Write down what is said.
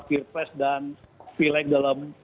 firpres dan filek dalam